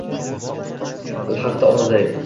ilhaqda onaday